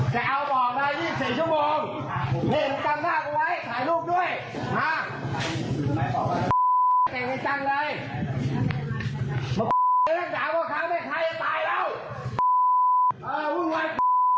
กลับมา๒๔ชั่วโมงเล่นกลางหน้ากันไว้ถ่ายรูปด้วย